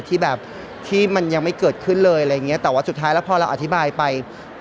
ที่แบบที่มันยังไม่เกิดขึ้นเลยอะไรอย่างเงี้ยแต่ว่าสุดท้ายแล้วพอเราอธิบายไป